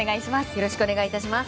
よろしくお願いします。